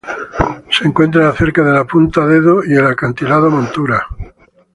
Se encuentra cerca de la punta Dedo y el acantilado Montura.